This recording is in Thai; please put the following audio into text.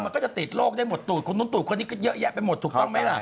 มันก็จะติดโรคได้หมดตูดคนนู้นตูดคนนี้ก็เยอะแยะไปหมดถูกต้องไหมล่ะ